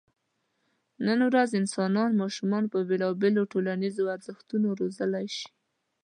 نن ورځ انسانان ماشومان په بېلابېلو ټولنیزو ارزښتونو روزلی شي.